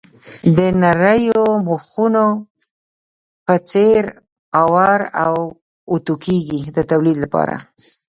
د نریو مخونو په څېر اوار او اتو کېږي د تولید لپاره.